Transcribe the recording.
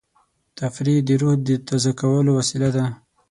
تفریح د روح د تازه کولو وسیله ده.